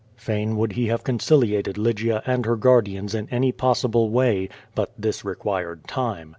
Fain would he have conciliated Lygia and her guardians in any possible way, but this required time.